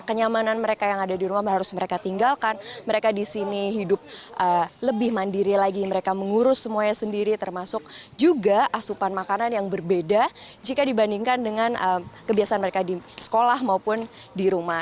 kenyamanan mereka yang ada di rumah harus mereka tinggalkan mereka di sini hidup lebih mandiri lagi mereka mengurus semuanya sendiri termasuk juga asupan makanan yang berbeda jika dibandingkan dengan kebiasaan mereka di sekolah maupun di rumah